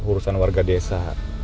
urusan warga desa